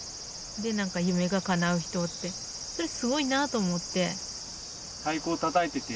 で何か夢がかなう人ってすごいなと思って。